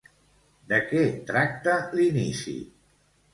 De què tracta l'inici?